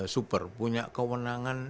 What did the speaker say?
super punya kewenangan